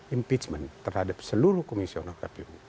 impeachment terhadap seluruh komisi unang kpu